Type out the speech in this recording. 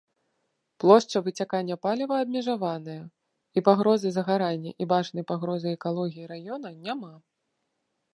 Плошча выцякання паліва абмежаваная, і пагрозы загарання і бачнай пагрозы экалогіі раёна няма.